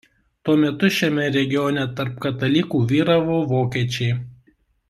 Tuo metu šiame regione tarp katalikų vyravo vokiečiai.